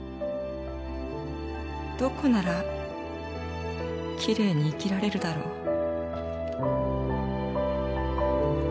「どこなら綺麗に生きられるだろう」